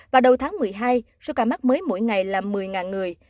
và đầu tháng một mươi hai số ca mắc mới mỗi ngày là một mươi người